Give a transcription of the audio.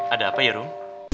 ada apa ya rom